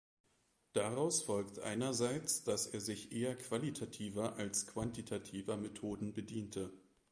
Daraus folgt einerseits, dass er sich eher qualitativer als quantitativer Methoden bediente.